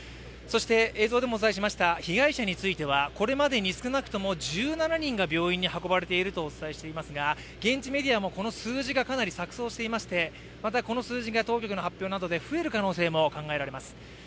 映像にもお伝えしました被害者についてはこれまでに少なくとも１７人が病院に運ばれているとお伝えしていますが現地メディアもこの数字がかなり錯そうしていましてまたこの数字が当局の発表などで増えることも考えられます。